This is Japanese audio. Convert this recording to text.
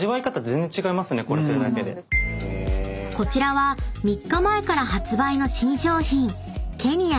［こちらは３日前から発売の新商品］